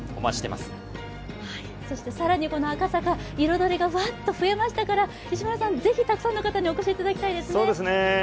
そして更にこの赤坂、彩りが増えましたから石丸さん、是非たくさんの方にお越しいただきたいですね。